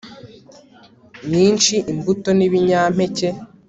nyinshi imbuto nibinyampeke